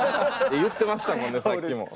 言ってましたもんねさっきも。